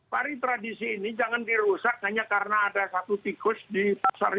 pari tradisi ini jangan dirusak hanya karena ada satu tikus di pasar ini